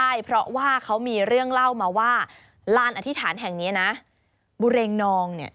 ใช่เพราะว่าเขามีเรื่องเล่ามาว่าลานอธิษฐานแห่งนี้นะบุเรงนองเนี่ย